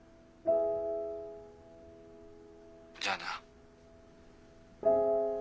じゃあな。